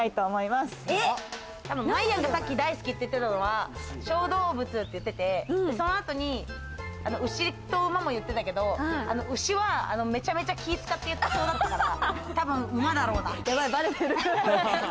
まいやんが、さっき大好きって言ってたのは小動物って言ってて、そのあとに牛と馬も言ってたけど、牛はめちゃめちゃ気使って言ってそうだったから、多分馬だろうな。